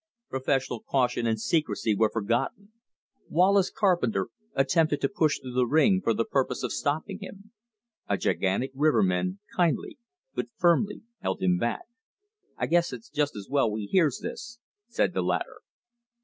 Professional caution and secrecy were forgotten. Wallace Carpenter attempted to push through the ring for the purpose of stopping him. A gigantic riverman kindly but firmly held him back. "I guess it's just as well we hears this," said the latter.